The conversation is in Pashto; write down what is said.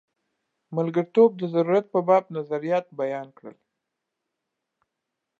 ملګرتوب د ضرورت په باب نظریات بیان کړل.